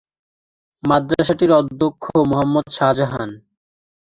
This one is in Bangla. মাদ্রাসাটির অধ্যক্ষ মোহাম্মদ শাহজাহান।